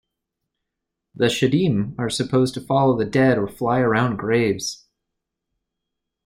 The "shedim" are supposed to follow the dead or fly around graves.